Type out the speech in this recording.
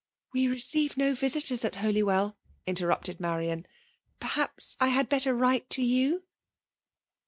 '*'*' We receive no visitors at Holywell !*' in* terrupCed Marian. ''Perhaps I had better write to you?"